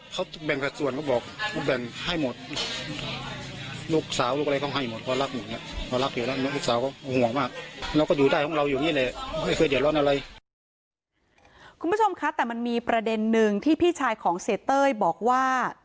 คุณผู้ชมคะแต่มันมีประเด็นนึงที่พี่ชายของเสียเต้ยบอกว่า